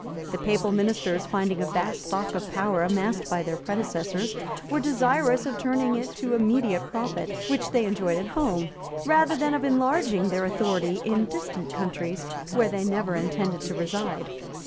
The papal ministers, finding a vast stock of power amassed by their predecessors, were desirous of turning it to immediate profit, which they enjoyed at home, rather than of enlarging their authority in distant countries, where they never intended to reside.